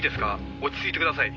落ち着いてください」